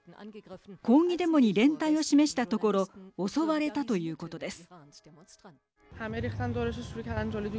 抗議デモに連帯を示したところ襲われたということです。